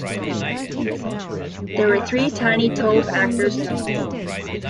There were three Tiny Tov actors in all.